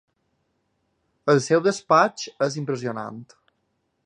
El seu despatx és impressionant.